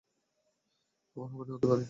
আমার হাঁপানি হতে পারে।